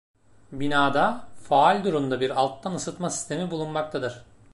Binada, faal durumda bir alttan ısıtma sistemi bulunmaktadır.